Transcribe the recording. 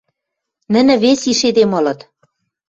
Нӹнӹ вес йиш эдем ылыт.